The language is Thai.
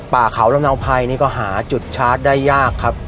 ป่าเขาลำเนาภัยนี่ก็หาจุดชาร์จได้ยากครับ